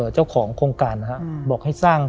เจ้าของโครงการนะครับบอกให้สร้าง